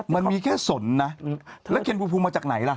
มันมีแค่สนนะแล้วเคนภูมิมาจากไหนล่ะ